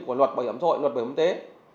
của luật bảo hiểm xã hội luật bảo hiểm y tế